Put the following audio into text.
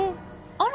あら。